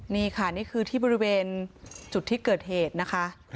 นี่ค่ะนี่คือที่บริเวณจุดที่เกิดเหตุนะคะ